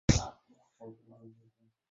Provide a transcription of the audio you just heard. হেই, photo ভালো হওয়া চাই।